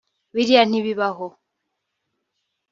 Biriya ntibibaho